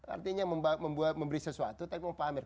artinya memberi sesuatu tapi mau pamer